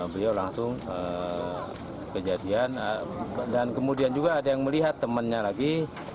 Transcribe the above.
beliau langsung kejadian dan kemudian juga ada yang melihat temannya lagi